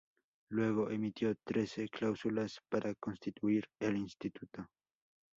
Luego, emitió trece cláusulas para constituir el Instituto.